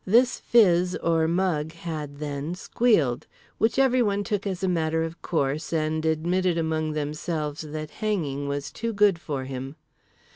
This phiz or mug had, then, squealed. Which everyone took as a matter of course and admitted among themselves that hanging was too good for him.